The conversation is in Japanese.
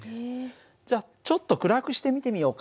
じゃあちょっと暗くして見てみようか。